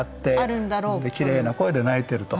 きれいな声で鳴いてると。